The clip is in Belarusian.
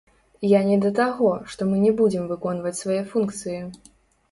Я не да таго, што мы не будзем выконваць свае функцыі.